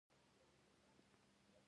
آفس، براوزر، او ډیزاین سافټویر